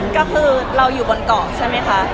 ก็คือเราอยู่บนเกาะใช่ไหมคะ